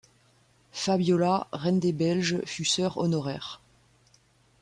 Fabiola, reine des Belges fut sœur honoraire.